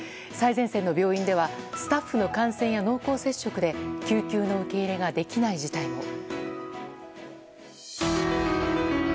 最前線の病院ではスタッフの感染や濃厚接触で救急の受け入れができない事態に。